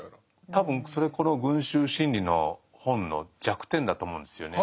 多分それこの「群衆心理」の本の弱点だと思うんですよね。